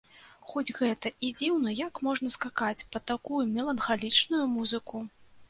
Хоць гэта і дзіўна, як можна скакаць пад такую меланхалічную музыку.